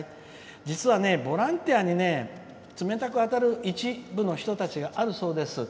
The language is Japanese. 実はボランティアにね冷たく当たる一部の人があるそうです。